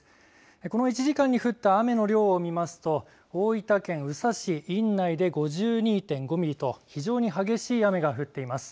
この１時間に降った雨の量を見ますと大分県宇佐市院内で５２．５ミリと非常に激しい雨が降っています。